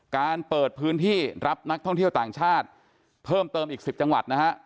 การเปิดพื้นที่รับนักท่องเที่ยวต่างชาติเพิ่มเติมอีก๑๐จังหวัดนะฮะ